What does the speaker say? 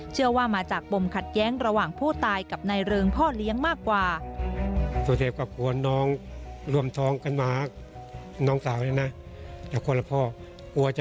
เชื่อว่ามาจากปมขัดแย้งระหว่างผู้ตายกับนายเริงพ่อเลี้ยงมากกว่า